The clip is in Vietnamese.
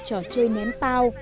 trò chơi ném bao